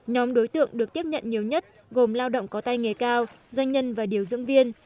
nhóm đối tượng được tiếp nhận nhiều nhất gồm lao động có tay nghề cao doanh nhân và điều dưỡng viên